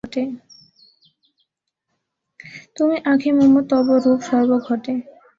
তুমি আঁখি মম, তব রূপ সর্ব ঘটে।